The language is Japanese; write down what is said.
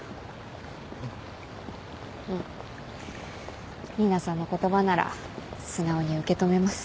うん新名さんの言葉なら素直に受け止めます。